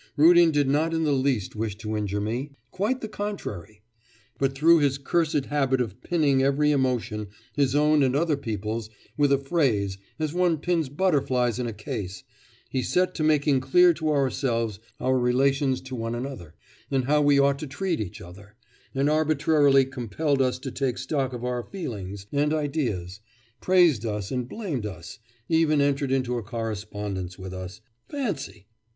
Rudin did not in the least wish to injure me quite the contrary! But through his cursed habit of pinning every emotion his own and other people's with a phrase, as one pins butterflies in a case, he set to making clear to ourselves our relations to one another, and how we ought to treat each other, and arbitrarily compelled us to take stock of our feelings and ideas, praised us and blamed us, even entered into a correspondence with us fancy!